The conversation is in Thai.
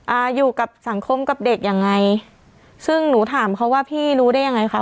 อ่าอยู่กับสังคมกับเด็กยังไงซึ่งหนูถามเขาว่าพี่รู้ได้ยังไงคะ